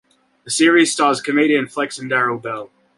The series stars comedian Flex and Darryl Bell.